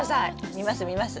見ます見ます。